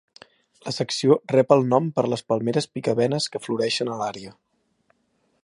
La secció rep el nom per les palmeres picabenes que floreixen a l'àrea.